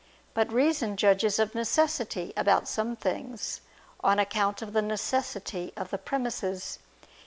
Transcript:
But reason judges of necessity about some things: on account of the necessity of the premises.